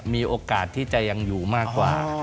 มีโอกาสที่จะยังอยู่มากกว่า